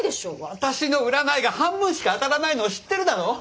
私の占いが半分しか当たらないのを知ってるだろ！